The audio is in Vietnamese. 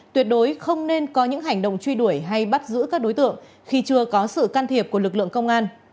tuyệt đối không nên có những hành động truy đuổi hay bắt giữ các đối tượng khi chưa có sự can thiệp của lực lượng công an